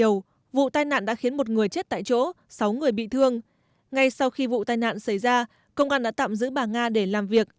trước đó vụ tai nạn đã khiến một người chết tại chỗ sáu người bị thương ngay sau khi vụ tai nạn xảy ra công an đã tạm giữ bà nga để làm việc